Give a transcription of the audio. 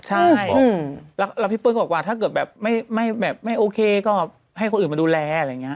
ใช่แล้วพี่เปิ้ลก็บอกว่าถ้าเกิดแบบไม่โอเคก็ให้คนอื่นมาดูแลอะไรอย่างนี้